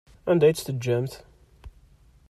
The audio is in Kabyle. Anda ay tt-teǧǧamt?